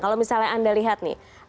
kalau misalnya anda lihat nih